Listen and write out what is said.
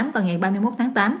và ngày ba mươi một tháng tám